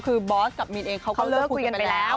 คือบอสกับมินเองเขาก็เลิกคุยกันไปแล้ว